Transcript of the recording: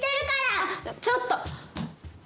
あ、ちょっと！